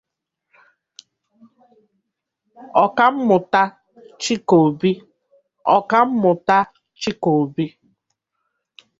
Ọkammụta Chike Obi